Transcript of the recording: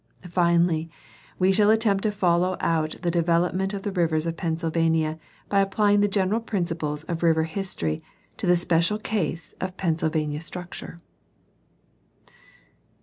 Finally we shall attempt to follow out the development of the I'ivers of Pennsylvania by applying the general principles of river history to the special case of Pennsylvania structure.